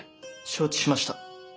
承知しました。